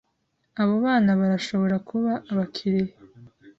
Abo bana barashobora kuba abakiriya.